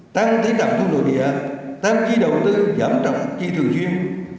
tăng tỉ đẳng thương đội địa tăng chi đầu tư giảm trọng chi thường duyên